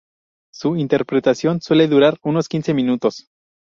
Su interpretación suele durar unos quince minutos.